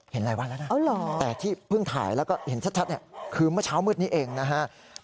หลายวันแล้วนะแต่ที่เพิ่งถ่ายแล้วก็เห็นชัดเนี่ยคือเมื่อเช้ามืดนี้เองนะฮะ